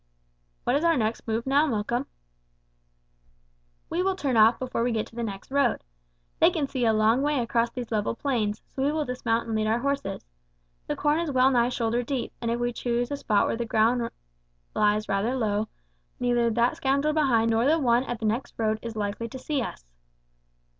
"What is our next move now, Malcolm?" "We will turn off before we get to the next road. They can see a long way across these level plains; so we will dismount and lead our horses. The corn is well nigh shoulder deep, and if we choose a spot where the ground lies rather low, neither that scoundrel behind nor the one at the next road is likely to see us."